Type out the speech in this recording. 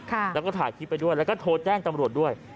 แล้วก็ถ่ายคลิปไปด้วยแล้วก็โทรแจ้งตำรวจด้วย